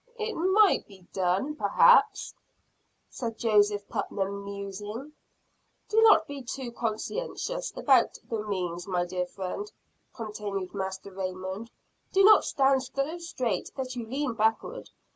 "It might be done perhaps," said Joseph Putnam musing. "Do not be too conscientious about the means, my dear friend," continued Master Raymond. "Do not stand so straight that you lean backward.